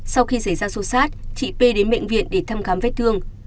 sau khi xảy ra xô xát chị p đến bệnh viện để thăm khám vết thương